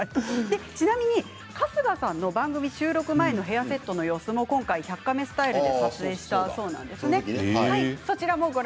ちなみに春日さんの番組収録前のヘアセットの様子も今回「１００カメ」スタイルで撮影したそうです。